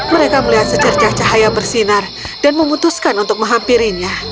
mereka melihat secercah cahaya bersinar dan memutuskan untuk menghampirinya